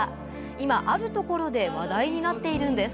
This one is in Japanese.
今あるところで話題になっているんです。